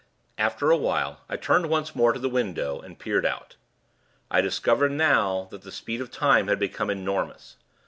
After awhile, I turned once more to the window, and peered out. I discovered, now, that the speed of time had become enormous.